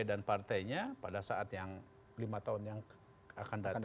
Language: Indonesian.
dan partainya pada saat yang lima tahun yang akan datang